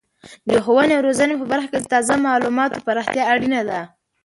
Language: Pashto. د ښوونې او روزنې په برخه کې د تازه معلوماتو پراختیا اړینه ده.